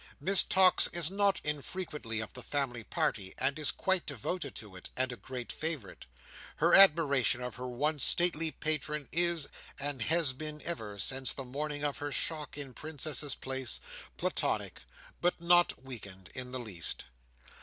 Miss Tox is not infrequently of the family party, and is quite devoted to it, and a great favourite. Her admiration of her once stately patron is, and has been ever since the morning of her shock in Princess's Place, platonic, but not weakened in the least.